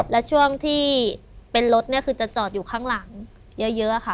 และช่วงที่เป็นรถเนี่ยคือจะจอดอยู่ข้างหลังเยอะค่ะ